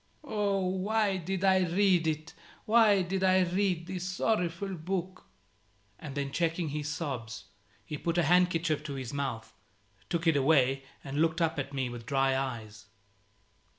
"Oh, why did I read it? Why did I read this sorrowful book?" And then checking his sobs, he put a handkerchief to his mouth, took it away, and looked up at me with dry eyes.